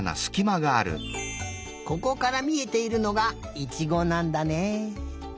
ここからみえているのがいちごなんだね。